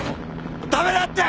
駄目だって！